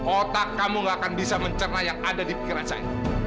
otak kamu gak akan bisa mencerna yang ada di pikiran saya